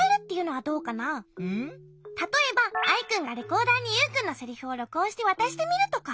たとえばアイくんがレコーダーにユウくんのセリフをろくおんしてわたしてみるとか？